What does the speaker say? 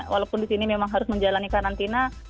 walaupun disini memang harus menjalani karantina